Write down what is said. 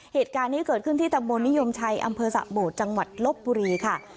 เหตุการณ์นี้เกิดขึ้นที่ตำบลนิยมชัยอำเภอสะโบดจังหวัดลบบุรีค่ะ